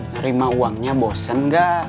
nerima uangnya bosen gak